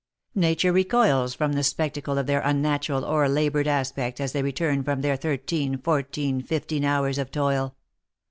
Nature recoils from the spectacle of their unnatural o'erlaboured aspect as they return from their thirteen, fourteen, fif teen, hours of toil.